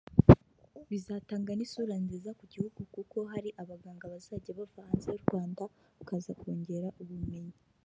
Bizatanga n’isura nziza ku gihugu kuko hari abaganga bazajya bava hanze y’u Rwanda bakaza kongera ubumenyi”